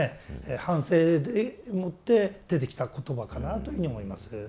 反省でもって出てきた言葉かなというふうに思います。